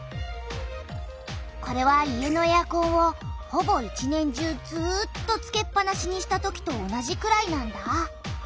これは家のエアコンをほぼ一年中ずっとつけっぱなしにしたときと同じくらいなんだ。